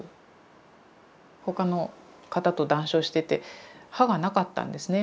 他の方と談笑してて歯がなかったんですね。